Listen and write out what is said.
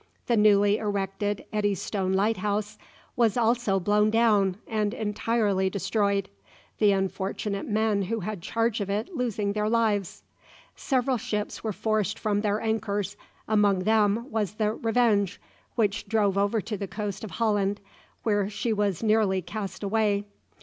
The newly erected Eddystone Lighthouse was also blown down and entirely destroyed, the unfortunate men who had charge of it losing their lives. Several ships were forced from their anchors: among them was the "Revenge," which drove over to the coast of Holland, where she was nearly cast away.